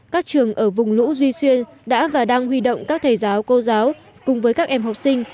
các trường ở vùng lũ duy xuyên đã và đang huy động các thầy giáo cô giáo cùng với các em học sinh